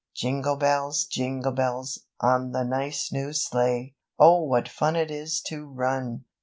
"Jingle bells, jingle bells, On the nice new sleigh. Oh what fun it is to run!"